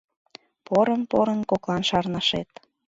Порын-порын коклан шарнашет.